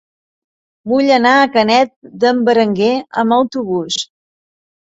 Vull anar a Canet d'en Berenguer amb autobús.